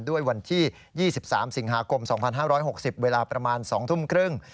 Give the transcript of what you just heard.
ด้วยวันที่๒๓สิงหาคม๒๕๖๐เวลาประมาณ๒ทุ่มครึ่ง